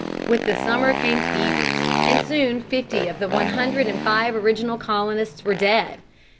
With the summer came fevers, and soon fifty of the one hundred and five original colonists were dead.